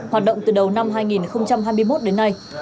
hoạt động từ đầu năm hai nghìn hai mươi một đến nay